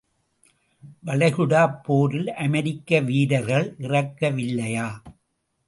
வளைகுடாப் போரில் அமெரிக்க வீரர்கள் இறக்க வில்லையா?